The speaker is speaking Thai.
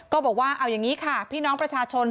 ก็บอกว่าเอาอย่างนี้ค่ะพี่น้องประชาชน